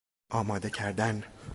آماده کردن